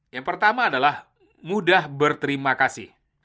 yang pertama adalah mudah berterima kasih